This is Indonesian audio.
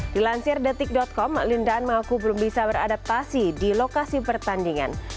dilansir detik com lindan mengaku belum bisa beradaptasi di lokasi pertandingan